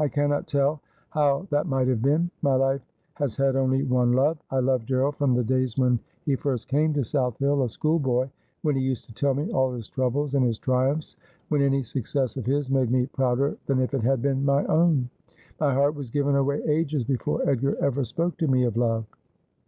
I cannot tell how that might have been. My life has had only one love. I loved Gerald from the days 280 Asphodel. when he first came to South Hill, a schoolboy, when he used to tell me all his troubles and his triumphs, when any success of his made me prouder than if it had been my own. My heart was given away ages before Edgar ever spoke to me of love.'